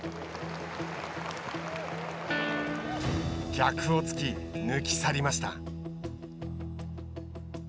逆を突き、抜き去りました。